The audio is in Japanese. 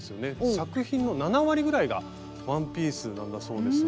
作品の７割ぐらいがワンピースなんだそうですが。